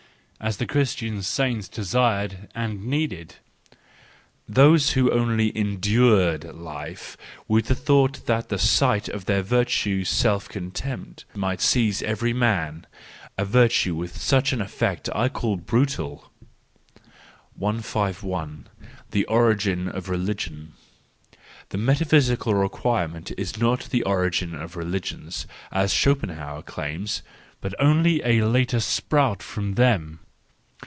—as the Christian saints desired and needed ;—those who only endured life with/the thought that at the sight of their virtue self contempt might seize every man. A virtue with such an effect I call brutal. I 5 I The Origin of Religion .— The metaphysical requirement is not the origin of religions, as Schopenhauer claims, but only a later sprout from them.